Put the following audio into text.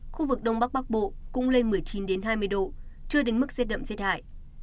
khu vực đông bắc bắc bộ cũng lên một mươi chín hai mươi độ chưa đến mức rét đậm rét hại